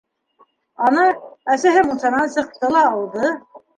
Ана, әсәһе мунсанан сыҡты ла ауҙы.